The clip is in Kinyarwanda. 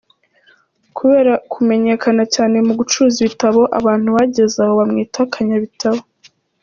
Kubera kumenyekana cyane mu gucuruza ibitabo, abantu bageze aho bamwita’ Kanyabitabo’.